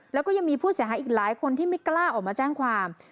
แล้วก็ยังมีผู้เสียหายอีกหลายคนที่ไม่กล้าออกมาแจ้งความ